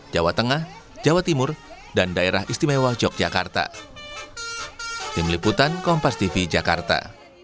jawa tengah jawa timur dan daerah istimewa yogyakarta